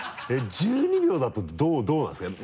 １２秒だとどうなんですか？